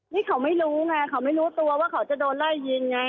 นี่เขาไม่รู้ไงเขาไม่รู้ตัวว่าเขาจะโดนไล่ยิงไง